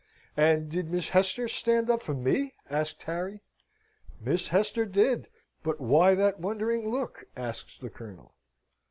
"And did Miss Hester stand up for me?" says Harry. "Miss Hester did. But why that wondering look?" asks the Colonel.